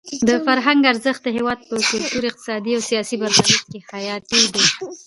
د فرهنګ ارزښت د هېواد په کلتوري، اقتصادي او سیاسي برخلیک کې حیاتي دی.